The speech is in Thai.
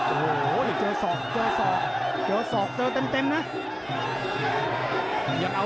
โอ้โหเจอศอกเจอศอกเจอเต็มนะ